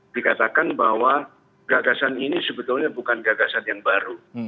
dikatakan bahwa gagasan ini sebetulnya bukan gagasan yang baru